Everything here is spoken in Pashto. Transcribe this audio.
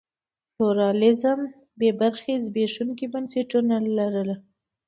پلورالېزم بې برخې زبېښونکي بنسټونه یې لرل.